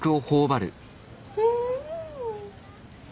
うん。